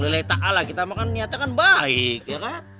lillahi ta'ala kita mah kan niatnya kan baik ya kang